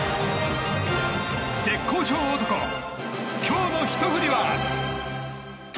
絶好調男、今日のひと振りは？